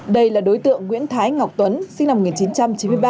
đây là đối tượng nguyễn thái ngọc tuấn sinh năm một nghìn chín trăm chín mươi ba